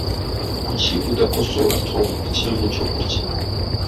Kuki udakosora Tom ikintu cyo kurya?